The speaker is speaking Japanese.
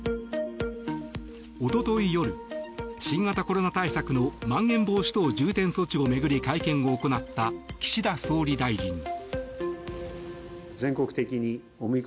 一昨日夜、新型コロナ対策のまん延防止等重点措置を巡り会見を行った岸田総理大臣。